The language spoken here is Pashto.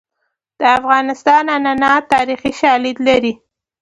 د افغانستان عنعنات تاریخي شالید لري.